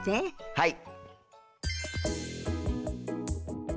はい。